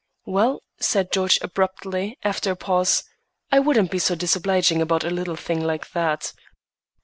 "Well," said George abruptly, after a pause, "I wouldn't be so disobliging about a little thing like that."